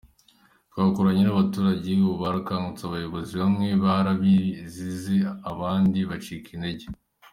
Twakoranye n’abaturage ubu barakangutse, abayobozi bamwe barabizize abandi bacika intege.